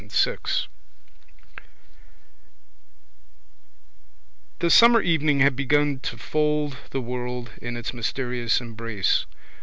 13 ] The summer evening had begun to fold the world in its mysterious embrace.